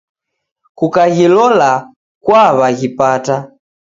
Kukaghilola kuw'aghipata.